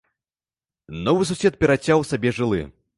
Новы сусед перацяў сабе жылы.